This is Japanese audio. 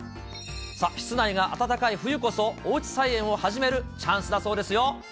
室内が暖かい冬こそおうち菜園を始めるチャンスだそうですよ。